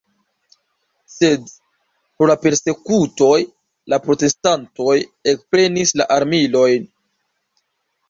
Sed, pro la persekutoj, la protestantoj ekprenis la armilojn.